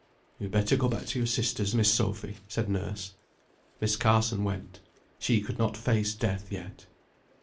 "You had better go back to your sisters, Miss Sophy," said nurse. Miss Carson went. She could not face death yet.